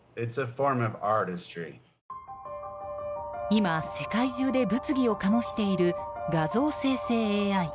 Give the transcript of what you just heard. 今、世界中で物議を醸している画像生成ＡＩ。